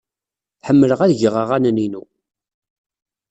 Ḥemmleɣ ad geɣ aɣanen-inu.